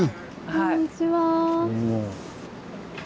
こんにちは。